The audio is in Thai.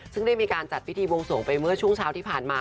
ซึ่งได้มีการจัดพิธีบวงสวงไปเมื่อช่วงเช้าที่ผ่านมา